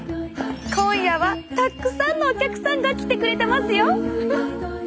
今夜はたくさんのお客さんが来てくれてますよ。